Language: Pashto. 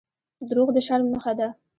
• دروغ د شرم نښه ده.